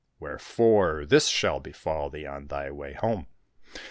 Wherefore this shall befall thee on thy way home.